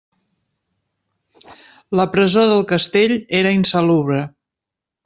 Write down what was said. La presó del castell era insalubre.